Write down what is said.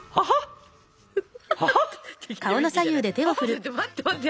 ちょっと待って待って。